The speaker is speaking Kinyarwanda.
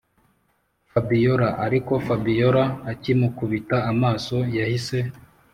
fabiora ariko fabiora akimukubita amaso yahise